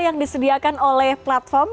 yang disediakan oleh platform